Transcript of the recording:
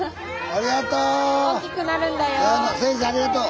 先生ありがとう。